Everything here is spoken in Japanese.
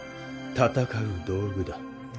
戦う道具だ。